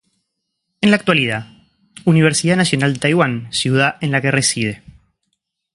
En la actualidad Universidad Nacional de Taiwán, ciudad en la que reside.